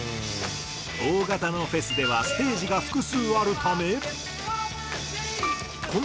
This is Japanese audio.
大型のフェスではステージが複数あるため。